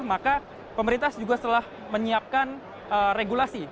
maka pemerintah juga telah menyiapkan regulasi